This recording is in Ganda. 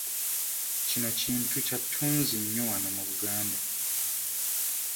Kino kintu kya ttunzi nnyo wano mu Buganda.